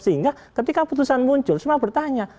sehingga ketika putusan muncul semua bertanya